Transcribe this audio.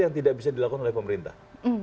yang tidak bisa dilakukan oleh pemerintah